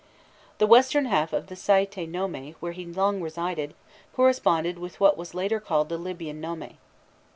The western half of the Saïte nome, where he long resided, corresponded with what was called later the Libyan nome.